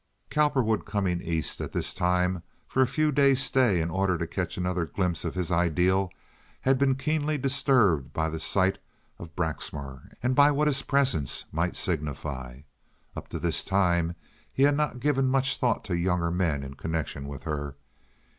Cowperwood, coming East at this time for a few days' stay in order to catch another glimpse of his ideal, had been keenly disturbed by the sight of Braxmar and by what his presence might signify. Up to this time he had not given much thought to younger men in connection with her.